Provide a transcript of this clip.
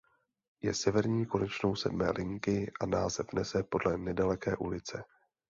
Je severní konečnou sedmé linky a název nese podle nedaleké ulice.